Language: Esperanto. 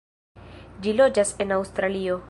Ĝi loĝas en Aŭstralio.